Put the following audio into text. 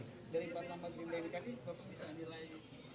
dari pandangan pendamping komunikasi berapa bisa nilai